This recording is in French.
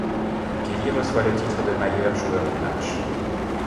Kelly reçoit le titre de mailleur joueur du match.